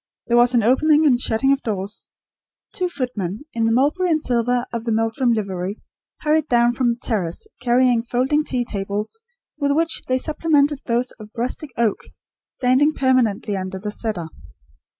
There was an opening and shutting of doors. Two footmen, in the mulberry and silver of the Meldrum livery, hurried down from the terrace, carrying folding tea tables, with which they supplemented those of rustic oak standing permanently under the cedar.